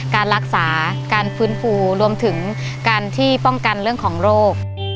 การรักษาการฟื้นฟูรวมถึงการที่ป้องกันเรื่องของโรค